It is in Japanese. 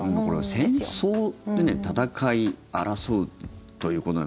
戦争って戦い、争うという、この。